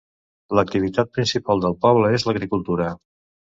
L'activitat principal del poble és l'agricultura.